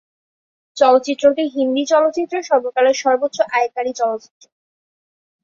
চলচ্চিত্রটি হিন্দি চলচ্চিত্রের সর্বকালের সর্বোচ্চ আয়কারী চলচ্চিত্র।